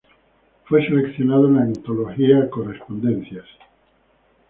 Fue seleccionado en la antología "Correspondencias.